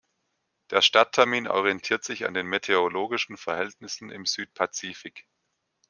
Der Starttermin orientiert sich an den meteorologischen Verhältnissen im Südpazifik.